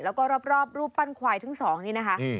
แล้วก็รอบรูปปั้นควายทั้งสองนี่นะคะ